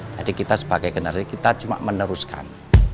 kita sebagai generasi kita cuma meneruskan